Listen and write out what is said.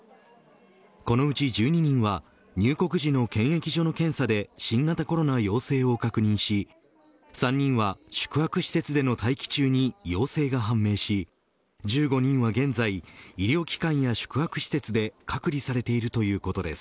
このうち１２人は入国時の検疫所の検査で新型コロナ陽性を確認し３人は宿泊施設での待機中に陽性が判明し１５人は現在医療機関や宿泊施設で隔離されているということです。